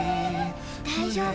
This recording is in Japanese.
大丈夫。